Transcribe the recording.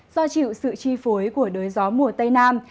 do chịu sự chi phối của đới gió mùa tây nam